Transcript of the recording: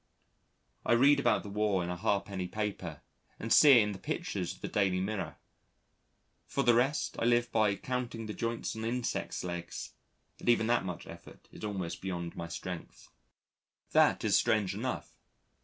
I read about the War in a ha'penny paper, and see it in the pictures of the Daily Mirror. For the rest, I live by counting the joints on insects' legs and even that much effort is almost beyond my strength. That is strange enough.